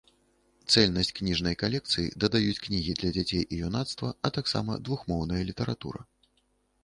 Цэльнасць кніжнай калекцыі дадаюць кнігі для дзяцей і юнацтва, а таксама двухмоўная літаратура.